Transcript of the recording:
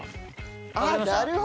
あっなるほどね。